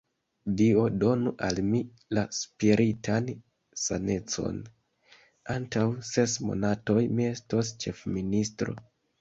Dio donu al mi la spiritan sanecon: antaŭ ses monatoj, mi estos ĉefministro.